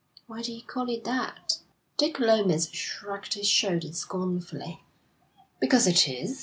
'Why do you call it that?' Dick Lomas shrugged his shoulders scornfully. 'Because it is.